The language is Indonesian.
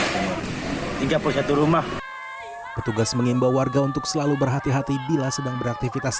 dan pembersihan tiga puluh satu rumah petugas mengimbau warga untuk selalu berhati hati bila sedang beraktivitas